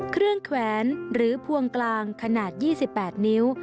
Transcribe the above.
เครื่องแขวนหรือพวงกลางขนาด๒๘นิ้ว